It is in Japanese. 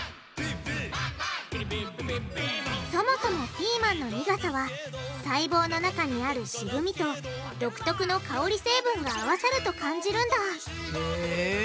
そもそもピーマンの苦さは細胞の中にある渋みと独特の香り成分が合わさると感じるんだへぇ。